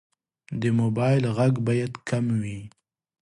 د موبایل غږ باید کم وي.